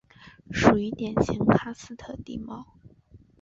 属于典型喀斯特地貌。